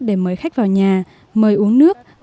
để mời khách vào nhà mời uống nước mời ăn trầu